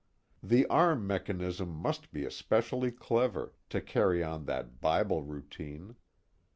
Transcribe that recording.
The arm mechanism must be especially clever, to carry on that Bible routine.